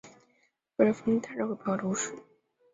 贝勒枫丹人口变化图示